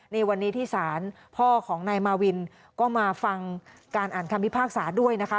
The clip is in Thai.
ในวันนี้ที่ศาลพ่อของนายมาวินก็มาฟังการอ่านคำพิพากษาด้วยนะคะ